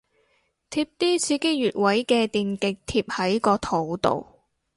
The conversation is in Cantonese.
貼啲刺激穴位嘅電極貼喺個肚度